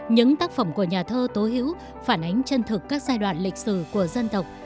những tác phẩm của nhà thơ tố hữu phản ánh chân thực các giai đoạn lịch sử của dân tộc